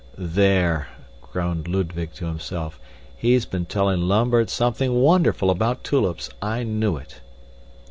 "There," groaned Ludwig to himself, "he's been telling Lambert something wonderful about tulips I knew it!"